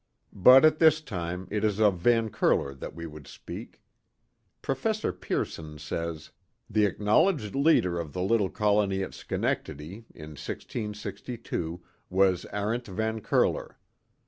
But at this time it is of Van Curler that we would speak. Professor Pearson says: The acknowledged leader of the little colony at Schenectady, in 1662, was Arent Van Curler.